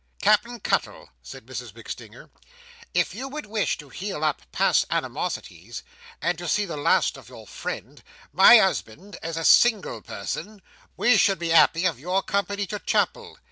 "Cap'en Cuttle," said Mrs MacStinger, "if you would wish to heal up past animosities, and to see the last of your friend, my "usband, as a single person, we should be "appy of your company to chapel.